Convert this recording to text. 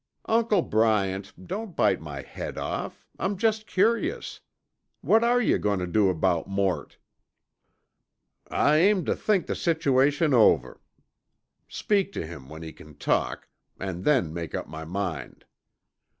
"Uncle Bryant, don't bite my head off, I'm just curious. What are you going to do about Mort?" "I aim tuh think the situation over, speak tuh him when he c'n talk, an' then make up my mind.